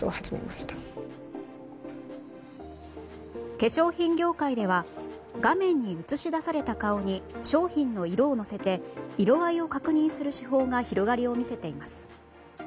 化粧品業界では画面に映し出された顔に商品の色をのせて色合いを確認する手法が広がりを見せています。